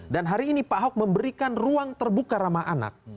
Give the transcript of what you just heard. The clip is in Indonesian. dan hari ini pak ahok memberikan ruang terbuka ramah anak